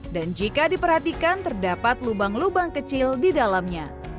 dan jika diperhatikan terdapat lubang lubang kecil di dalamnya